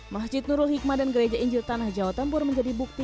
masjid nurul hikmah dan gereja injil tanah jawa tempur menjadi bukti